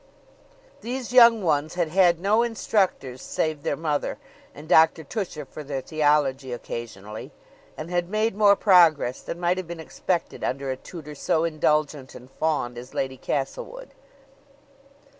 These young ones had had no instructors save their mother, and Doctor Tusher for their theology occasionally, and had made more progress than might have been expected under a tutor so indulgent and fond as Lady Castlewood.